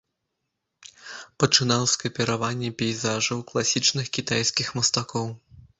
Пачынаў з капіравання пейзажаў класічных кітайскіх мастакоў.